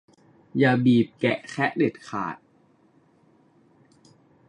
อย่าบีบแกะแคะเด็ดขาด